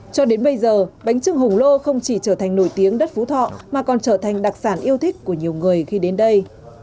cho đến bây giờ bánh trưng hồng lô không chỉ trở thành nổi tiếng đất phú thọ mà còn trở thành đặc sản yêu thích của nhiều người khi đến đây